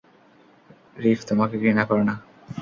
Reef তোমাকে ঘৃণা করেনা।